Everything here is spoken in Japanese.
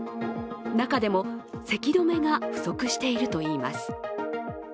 中でも、せき止めが不足しているといいます。